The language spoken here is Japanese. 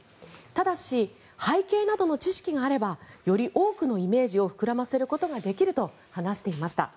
ただし、背景などの知識があればより多くのイメージを膨らませることができると話していました。